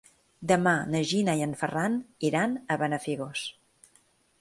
Demà na Gina i en Ferran iran a Benafigos.